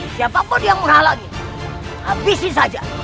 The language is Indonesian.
siapapun yang menghalangi ambisi saja